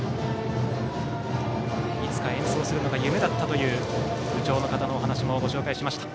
いつか演奏するのが夢だったという部長の方のお話もご紹介しました。